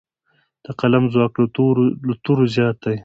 د قلم ځواک له تورو زیات دی.